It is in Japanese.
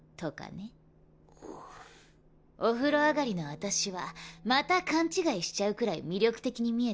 お風呂上がりのあたしはまた勘違いしちゃうくらい魅力的に見えたかい？